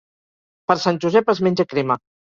Per Sant Josep es menja crema.